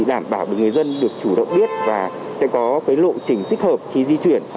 đảm bảo được người dân được chủ động biết và sẽ có lộ trình thích hợp khi di chuyển